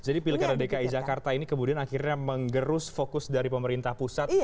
jadi pilihan dki jakarta ini kemudian akhirnya menggerus fokus dari pemerintah pusat